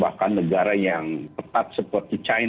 bahkan negara yang tepat seperti china bobol ya